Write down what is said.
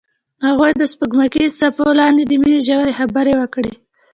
هغوی د سپوږمیز څپو لاندې د مینې ژورې خبرې وکړې.